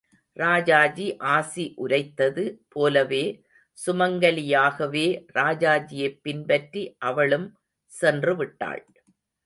ராஜாஜி ஆசி உரைத்தது போலவே சுமங்கலியாகவே ராஜாஜியைப் பின்பற்றி அவளும் சென்றுவிட்டாள்.